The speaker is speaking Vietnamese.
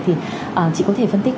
thì chị có thể phân tích